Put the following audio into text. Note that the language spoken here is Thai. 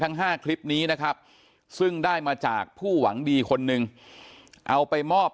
ทั้ง๕คลิปนี้นะครับซึ่งได้มาจากผู้หวังดีคนหนึ่งเอาไปมอบ